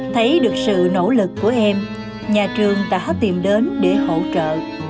thấy được sự nỗ lực của em nhà trường đã tìm đến để hỗ trợ